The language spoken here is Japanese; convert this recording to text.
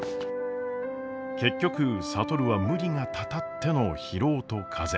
結局智は無理がたたっての疲労と風邪。